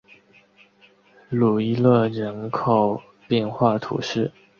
鲁伊勒人口变化图示